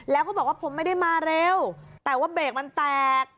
แล้วก็บอกว่าผมไม่ได้มาเร็วแต่ว่าเบรกมันแตก